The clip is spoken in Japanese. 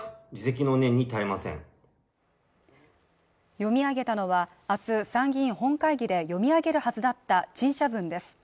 読み上げたのは、明日、参議院本会議で読み上げるはずだった陳謝文です。